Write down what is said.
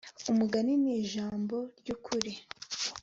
umugani ni ijambo ryukuri